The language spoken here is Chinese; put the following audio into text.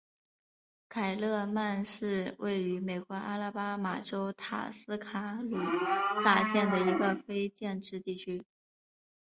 凯勒曼是位于美国阿拉巴马州塔斯卡卢萨县的一个非建制地区。